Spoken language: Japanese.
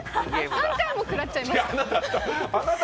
３回もくらっちゃいました